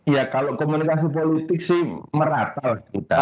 ya kalau komunikasi politik sih merata